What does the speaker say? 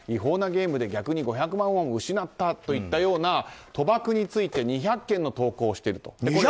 逆に５００万ウォン失ったというような賭博について２００件の投稿をしていると。